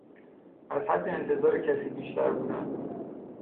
از حد انتظار کسی بیشتر بودن